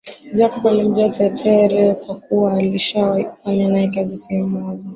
Jacob alimjua Tetere kwa kuwa alishawahi kufanya naye kazi sehemu moja